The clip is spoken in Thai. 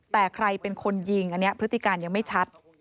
แต่ใครเป็นคนยิงอันนี้พฤติการยังไม่ชัด